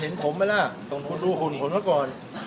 เห็นผมไหมล่ะตรงรูหุ่นผมก่อน